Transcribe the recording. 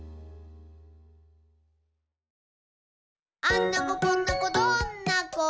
「あんな子こんな子どんな子？